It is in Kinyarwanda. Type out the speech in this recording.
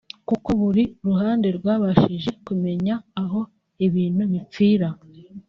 kuko buri ruhande rwabashije kumenya aho ibintu bipfira